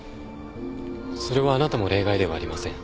それはあなたも例外ではありません。